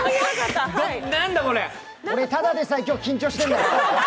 俺ただでさえ今日緊張してるんだ。